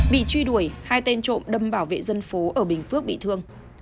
bị truy đuổi hai tên trộm đâm bảo vệ dân phố ở bình phước bị thương